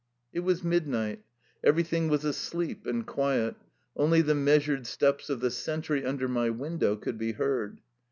It was midnight. Everything was asleep and quiet, only the measured steps of the sentry un der my window could be heard.